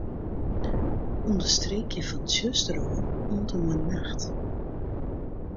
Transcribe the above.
Understreekje fan 'tsjuster' ôf oant en mei 'nacht'.